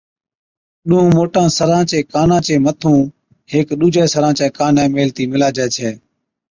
ڏونَ موٽان سران چين ڪانان چي مَٿُون ھيڪ ڏُوجي سران چي ڪاني ميلهتِي مِلاجي ڇَي